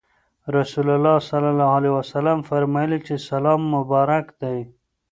رسول الله صلی الله عليه وسلم فرمایلي چې سلام مبارک دی.